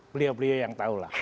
beliau beliau yang tahu lah